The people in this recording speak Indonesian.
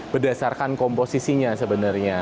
berdasarkan komposisinya sebenarnya